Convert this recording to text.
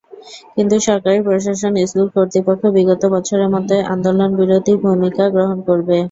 কিন্তু সরকারি প্রশাসন, স্কুল কর্তৃপক্ষ বিগত বছরের মতোই আন্দোলনবিরোধী ভূমিকা গ্রহণ করে।